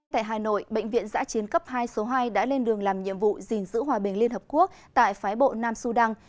tại hà nội bệnh viện giã chiến cấp hai số hai đã lên đường làm nhiệm vụ gìn giữ hòa bình liên hợp quốc tại phái bộ nam sudan